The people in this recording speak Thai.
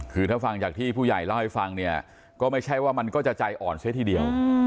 คือถ้าฟังจากที่ผู้ใหญ่เล่าให้ฟังเนี่ยก็ไม่ใช่ว่ามันก็จะใจอ่อนเสียทีเดียว